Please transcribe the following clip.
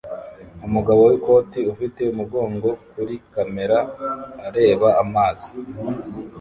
Umugabo wikoti ufite umugongo kuri kamera areba amazi